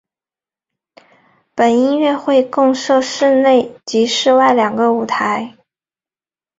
本音乐会共设室内及室外两个舞台。